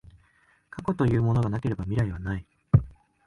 過去というものがなければ未来はない。